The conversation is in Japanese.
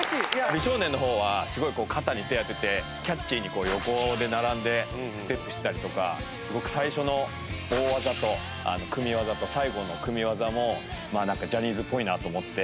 美少年の方はすごい肩に手を当ててキャッチーに横で並んでステップしてたりとかすごく最初の大技と組技と最後の組技もジャニーズっぽいなと思って。